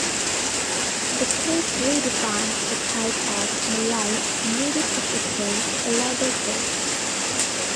The case redefined the type of "malice" needed to sustain a libel case.